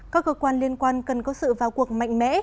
các cơ quan liên quan cần có sự vào cuộc mạnh mẽ